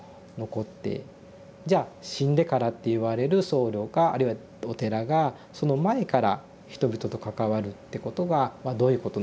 じゃあ「死んでから」って言われる僧侶があるいはお寺がその前から人々と関わるってことがどういうことなのか。